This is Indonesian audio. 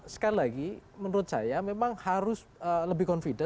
sekali lagi menurut saya memang harus lebih confident